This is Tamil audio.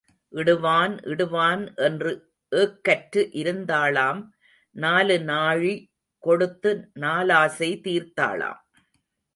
இடுவான் இடுவான் என்று ஏக்கற்று இருந்தாளாம் நாலு நாழி கொடுத்து நாலாசை தீர்த்தாளாம்.